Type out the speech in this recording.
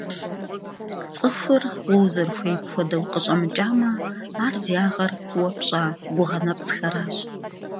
Цӏыхур уэ узэрыхуейм хуэдэу къыщӏэмыкӏамэ, ар зи ягъэр уэ пщӏа гугъэ нэпцӏхэращ.